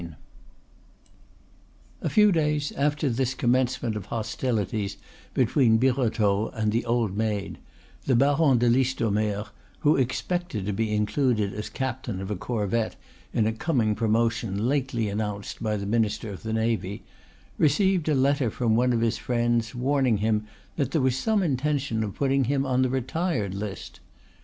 IV A few days after this commencement of hostilities between Birotteau and the old maid, the Baron de Listomere, who expected to be included as captain of a corvette in a coming promotion lately announced by the minister of the Navy, received a letter from one of his friends warning him that there was some intention of putting him on the retired list.